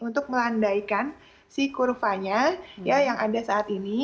untuk melandaikan si kurvanya yang ada saat ini